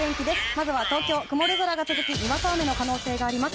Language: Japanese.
まずは東京、曇り空が続きにわか雨の可能性があります。